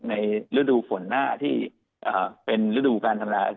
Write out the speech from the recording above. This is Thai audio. ในฤดูฝนหน้าที่เป็นฤดูการทำนา